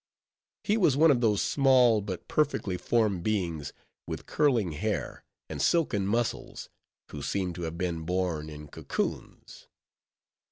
He was one of those small, but perfectly formed beings, with curling hair, and silken muscles, who seem to have been born in cocoons.